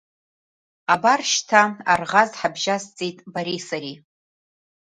Абар, шьҭа арӷаз ҳабжьасҵеит бареи сареи!